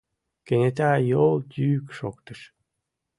Кенета йол йӱк шоктыш.